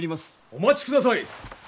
お待ちください！